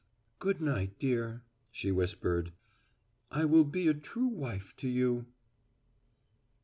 "Good night, dear," she whispered. "I will be a true wife to you."